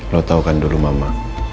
lo tau kan dulu mama